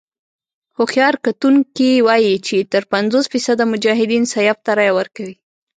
هوښیار کتونکي وايي چې تر پينځوس فيصده مجاهدين سیاف ته رايه ورکوي.